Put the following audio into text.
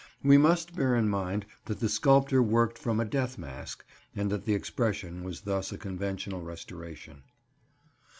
We must bear in mind that the sculptor worked from a death mask, and that the expression was thus a conventional restoration.